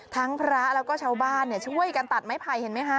พระแล้วก็ชาวบ้านช่วยกันตัดไม้ไผ่เห็นไหมคะ